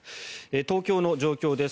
東京の状況です。